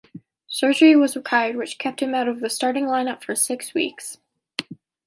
Surgery was required which kept him out of the starting lineup for six weeks.